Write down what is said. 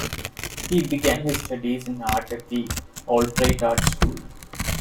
He began his studies in art at the Albright Art School.